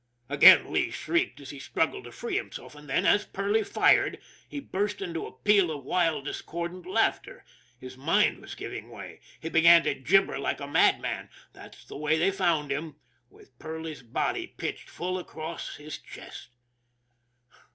Again Lee shrieked as he struggled to free himself, and then, as Perley fired, he burst out into a peal of wild, discordant laughter. His mind was giving way. He began to gibber like a madman that's the way they found him with Perley's body pitched full across his chest.